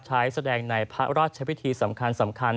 แสดงในพระราชพิธีสำคัญ